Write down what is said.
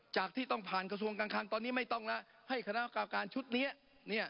จากที่ต้องผ่านกระทรวงการคังตอนนี้ไม่ต้องแล้วให้คณะกรรมการชุดนี้